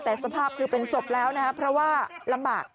แต่สภาพคือเป็นศพแล้วนะครับเพราะว่าลำบาก